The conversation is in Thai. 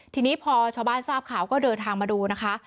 ทีนี้พอชาวบ้านทราบข่าวก็เดินทางมาดูนะคะ